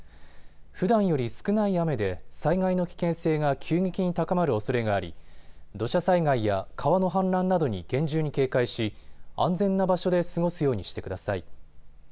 ふだんより少ない雨で災害の危険性が急激に高まるおそれがあり土砂災害や川の氾濫などに厳重に警戒し安全な場所で過ごすようにしてください。